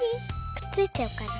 くっついちゃうから。